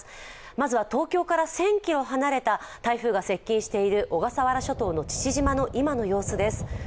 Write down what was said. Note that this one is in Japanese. まずは東京から１０００ｋｍ離れた台風が接近している小笠原諸島の父島の今の様子です。